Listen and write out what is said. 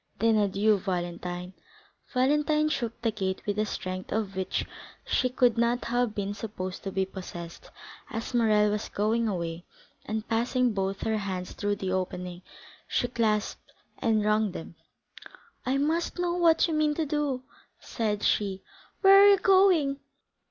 "Then adieu, Valentine!" Valentine shook the gate with a strength of which she could not have been supposed to be possessed, as Morrel was going away, and passing both her hands through the opening, she clasped and wrung them. "I must know what you mean to do!" said she. "Where are you going?"